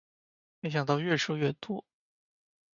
没想到越输越多